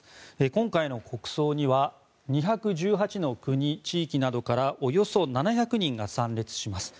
今回の国葬には２１８の国・地域などからおよそ７００人が参列します。